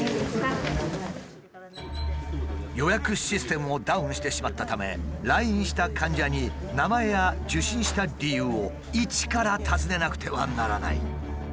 予約システムもダウンしてしまったため来院した患者に名前や受診した理由を一から尋ねなくてはならない。